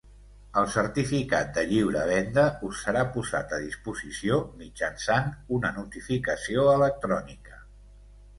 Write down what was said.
El certificat de lliure venda us serà posat a disposició mitjançant una notificació electrònica.